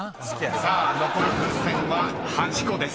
［さあ残る風船は８個です］